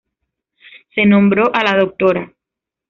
Se nombró a la Dra.